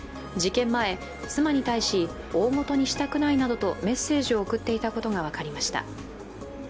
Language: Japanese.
事件前、妻に対し、大ごとにしたくないなどとメッセージを送っていたことが分かりました。